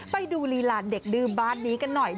ไปดูลีลาเด็กดื่มบ้านนี้กันหน่อย